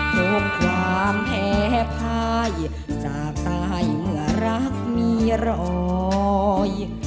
ถูกความแผบให้จากตายเมื่อรักมีร้อย